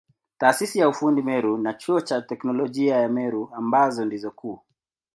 Taasisi ya ufundi Meru na Chuo cha Teknolojia ya Meru ambazo ndizo kuu.